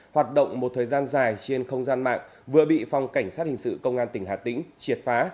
hoạt động một thời gian dài trên không gian mạng vừa bị phòng cảnh sát hình sự công an tỉnh hà tĩnh triệt phá